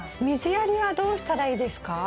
水やりはどうしたらいいですか？